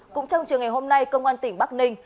cũng trong chiều ngày hôm nay công an tỉnh bắc ninh